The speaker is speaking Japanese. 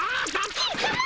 ケンさま！